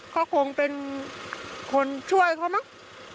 เขาคงเป็นคนช่วยเขามั้ง